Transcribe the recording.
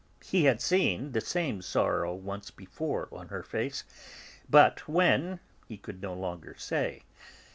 He had seen the same sorrow once before on her face, but when, he could no longer say.